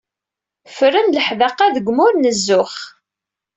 Fren leḥdaqa deg umur n zzux.